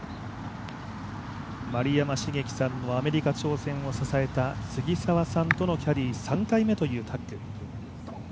丸山茂樹さんのアメリカ挑戦を支えた杉澤さんとのキャディー３回目というタッグ。